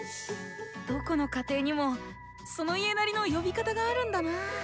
どこの家庭にもその家なりの呼び方があるんだなぁ。